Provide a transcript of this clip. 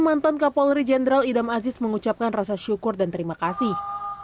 mantan kapolri jenderal idam aziz mengucapkan rasa syukur dan terima kasih